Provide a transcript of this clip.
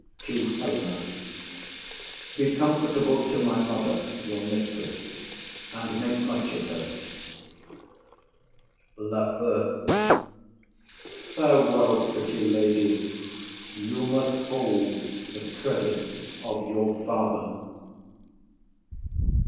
[To Helena.] Be comfortable to my mother, your mistress, and make much of her. LAFEW. Farewell, pretty lady, you must hold the credit of your father.